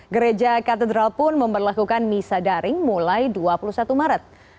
gereja katedral pun memperlakukan misa daring mulai dua puluh satu maret